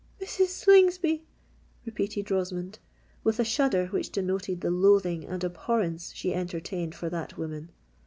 "Mrs. Slingsby!" repeated Rosamond, with a shudder which denoted the loathing and abhorrence she entertained for that woman.